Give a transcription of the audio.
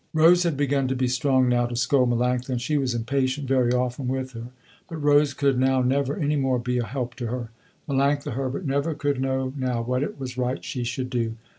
Rose had begun to be strong now to scold Melanctha and she was impatient very often with her, but Rose could now never any more be a help to her. Melanctha Herbert never could know now what it was right she should do.